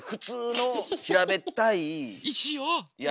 石を。